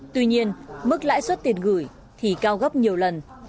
tuy nhiên mức lãi suất tiền gửi thì cao gấp nhiều lần